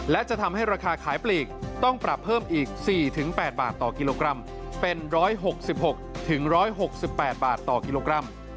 และจะทำให้ราคาขายปลีกต้องปรับเพิ่มอีก๔๘บาทต่อกิโลกรัมเป็น๑๖๖๑๖๘บาทต่อกิโลกรัม